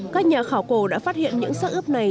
các nhà khảo cổ đã phát hiện những sắc ướp này